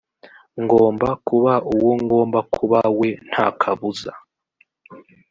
ngomba kuba uwo ngomba kuba we ntakabuza